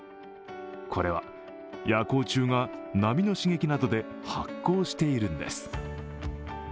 これは、夜光虫が波の刺激などで発光しているんです。